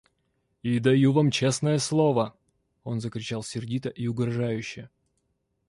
И даю вам честное слово, — он закричал сердито и угрожающе.